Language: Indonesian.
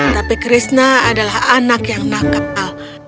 tapi krishna adalah anak yang nakal